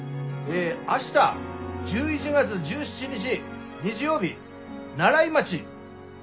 明日１１月１７日日曜日西風町。